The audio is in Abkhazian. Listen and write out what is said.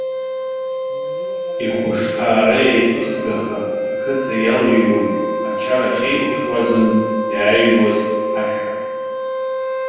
Ихәышҭаара еиҵыхгаха, ақыҭа иалыҩуан, ачара ахьеилашуазынтә иааҩуаз ашәа.